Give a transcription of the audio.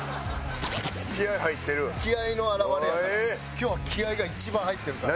今日は気合が一番入ってるから。